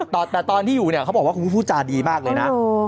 แต่ตอนที่อยู่เนี่ยเขาบอกว่าคุณพูดจาดีมากเลยนะ